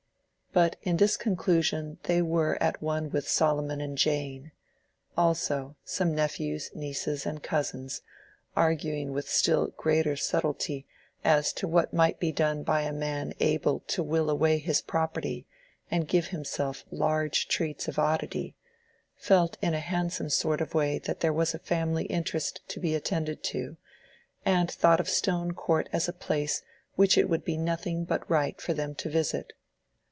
But in this conclusion they were at one with Solomon and Jane; also, some nephews, nieces, and cousins, arguing with still greater subtilty as to what might be done by a man able to "will away" his property and give himself large treats of oddity, felt in a handsome sort of way that there was a family interest to be attended to, and thought of Stone Court as a place which it would be nothing but right for them to visit.